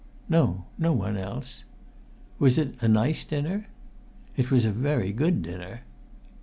"No; no one else." "Was it a nice dinner?" "It was a very good dinner."